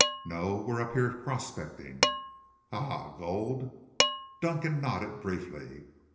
"No. We're up here prospecting." "Ah! Gold?" Dunkan nodded briefly.